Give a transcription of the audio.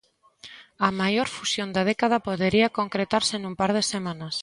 A maior fusión da década podería concretarse nun par de semanas.